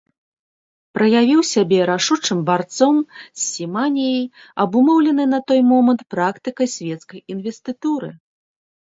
Праявіў сябе рашучым барцом з сіманіяй, абумоўленай на той момант практыкай свецкай інвестытуры.